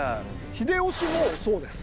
秀吉もそうです。